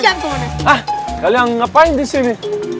hah kalian ngapain disini